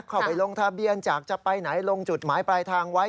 เข้าไปลงทะเบียนจากจะไปไหนลงจุดหมายปลายทางไว้